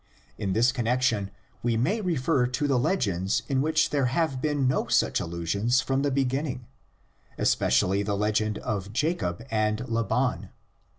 In this connexion we may refer to the legends in which there have been no such allusions from the beginning, espe cially the legend of Jacob and Laban.